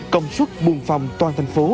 công suất buôn phòng toàn thành phố